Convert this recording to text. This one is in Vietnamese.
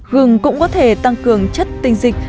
gừng cũng có thể tăng cường chất tinh dịch